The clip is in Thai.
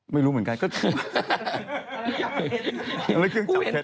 ไม่รู้เหมือนกัน